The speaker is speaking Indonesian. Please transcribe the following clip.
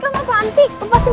kak di sini